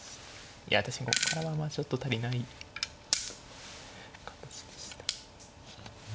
いや確かにここからはまあちょっと足りない形でした。